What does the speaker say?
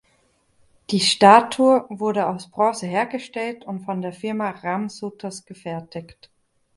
Die Statue wurde aus Bronze hergestellt und von der Firma Ram Sutars gefertigt.